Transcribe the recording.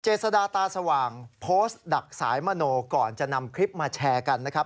สดาตาสว่างโพสต์ดักสายมโนก่อนจะนำคลิปมาแชร์กันนะครับ